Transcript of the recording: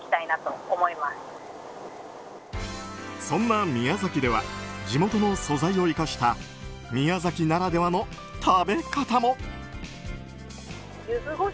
そんな宮崎では地元の素材を生かした宮崎ならではの食べ方も。